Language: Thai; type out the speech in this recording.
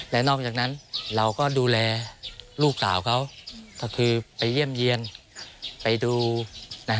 และนอกจากนั้นเราก็ดูแลลูกสาวเขาก็คือไปเยี่ยมเยี่ยนไปดูนะฮะ